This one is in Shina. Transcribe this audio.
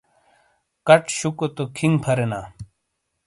کَچ شُوکو تو کھِینگ پھَرینا ۔